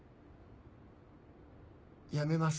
やめます。